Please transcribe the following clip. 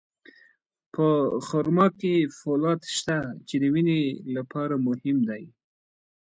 په خرما کې فولاد شته، چې د وینې لپاره مهم دی.